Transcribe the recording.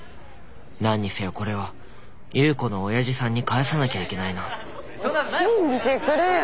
何にせよこれは夕子のおやじさんに返さなきゃいけないな信じてくれよ。